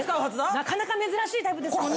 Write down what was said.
なかなか珍しいタイプですもんね。